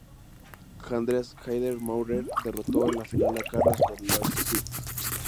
Andreas Haider-Maurer derrotó en la final a Carlos Berlocq.